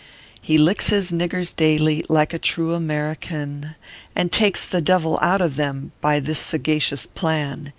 He licks his niggers daily, like a true American ; And " takes the devil out of them " .by this sagacious plan.